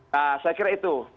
saya kira itu